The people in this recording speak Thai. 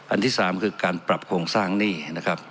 อันที่๓คือการปรับโครงสร้างหนี้นะครับ